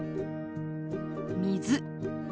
「水」。